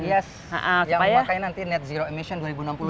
yes yang memakai nanti net zero emission dua ribu enam puluh itu ya targetnya